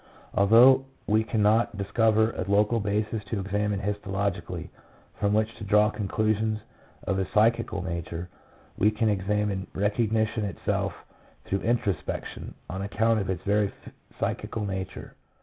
Although we cannot discover a local basis to examine histologically, from which to draw con clusions of a psychical nature, we can examine recognition itself through introspection, on account of its very psychical nature.